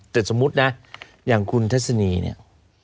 แต่สมมุตินะอย่างคุณทัศนีเนี่ย